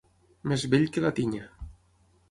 Més vell que la tinya.